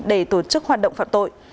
để tổ chức hoạt động phạm tội